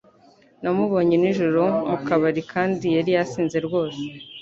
Namubonye nijoro mu kabari kandi yari yasinze rwose